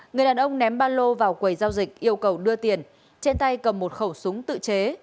người đàn ông ném ba lô vào quầy giao dịch yêu cầu đưa tiền trên tay cầm một khẩu súng tự chế